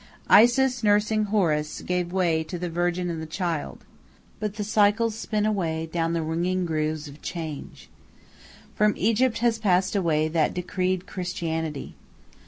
Isis nursing Horus gave way to the Virgin and the Child. But the cycles spin away down "the ringing grooves of change." From Egypt has passed away that decreed Christianity.